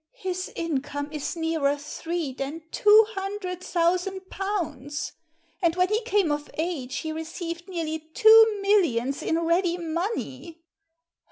"His income is nearer three than two hundred thousand pounds; and when he came of age he received nearly two millions in ready money."